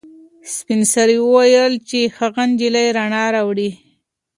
سپین سرې وویل چې هغه نجلۍ رڼا راوړي.